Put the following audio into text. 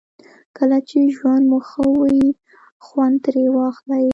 کله چې ژوند مو ښه وي خوند ترې واخلئ.